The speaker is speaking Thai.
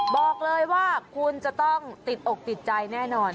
บอกเลยว่าคุณจะต้องติดอกติดใจแน่นอน